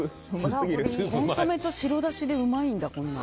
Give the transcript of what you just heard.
コンソメと白だしでこんなうまいんだ。